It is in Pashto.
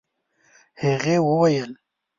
هغې وويل: